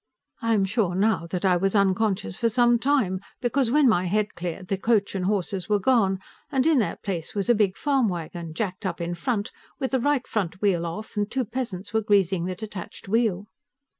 I am sure, now, that I was unconscious for some time, because when my head cleared, the coach and horses were gone, and in their place was a big farm wagon, jacked up in front, with the right front wheel off, and two peasants were greasing the detached wheel.